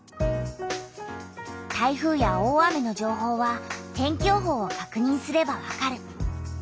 台風や大雨の情報は天気予報をかくにんすればわかる。